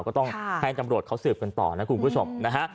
ก็ต้องแพทย์จำรวจเขาสืบกันต่อนะคุณผู้ชม